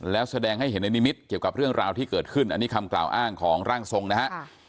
แล้วแสดงให้เห็นในนิมิตรเกี่ยวกับเรื่องราวที่เกิดขึ้นอันนี้คำกล่าวอ้างของร่างทรงนะฮะ